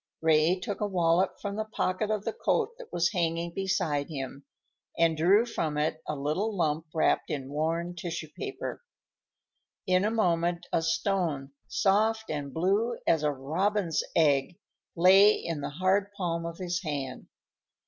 Ray took a wallet from the pocket of the coat that was hanging beside him, and drew from it a little lump wrapped in worn tissue paper. In a moment a stone, soft and blue as a robin's egg, lay in the hard palm of his hand.